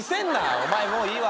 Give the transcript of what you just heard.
お前もういいわ。